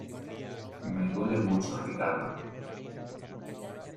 me duele mucho. Ricardo .